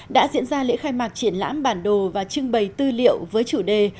đã diễn ra lễ khai mạc triển lãm bản đồ và trưng bày tư liệu với chủ đề